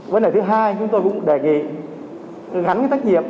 vấn đề thứ hai chúng tôi cũng đề nghị gắn với trách nhiệm